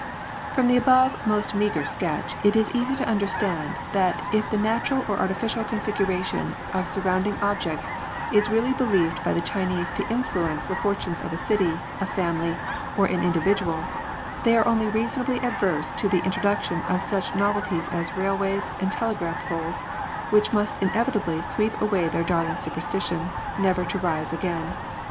From the above most meagre sketch it is easy to understand that if the natural or artificial configuration of surrounding objects is really believed by the Chinese to influence the fortunes of a city, a family, or an indi vidual, they are only reasonably averse to the intro duction of such novelties as railways and telegraph poles, which must inevitably sweep away their darling superstition — never to rise again.